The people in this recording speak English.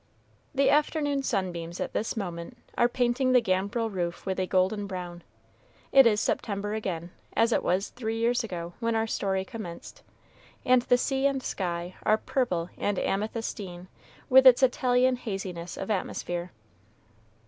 The afternoon sunbeams at this moment are painting the gambrel roof with a golden brown. It is September again, as it was three years ago when our story commenced, and the sea and sky are purple and amethystine with its Italian haziness of atmosphere.